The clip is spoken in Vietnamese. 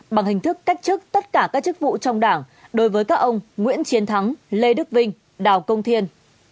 bằng hình thức cách chức tất cả các chức vụ trong đảng đối với các ông nguyễn chiến thắng lê đức vinh đào công thiên